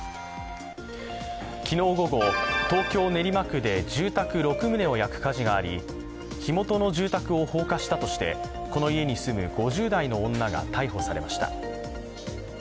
昨日午後、東京・練馬区で住宅６棟を焼く火事があり火元の住宅を放火したとしてこの家に住む５０代の女が逮捕されました。